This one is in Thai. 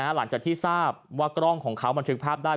หลังจากที่ทราบว่ากล้องของเขาบันทึกภาพได้